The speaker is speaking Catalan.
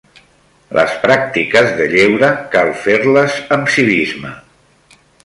Les pràctiques de lleure cal fer-les amb civisme.